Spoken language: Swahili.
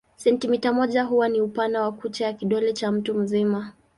Sentimita moja huwa ni upana wa kucha ya kidole cha mtu mzima.